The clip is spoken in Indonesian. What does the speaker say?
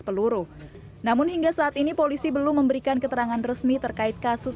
peluru namun hingga saat ini polisi belum memberikan keterangan resmi terkait kasus